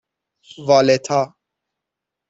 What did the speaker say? والِتا